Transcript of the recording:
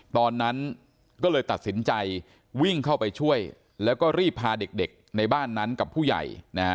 ตอนนั้นก็เลยตัดสินใจวิ่งเข้าไปช่วยแล้วก็รีบพาเด็กในบ้านนั้นกับผู้ใหญ่